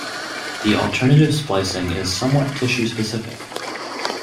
The alternative splicing is somewhat tissue specific.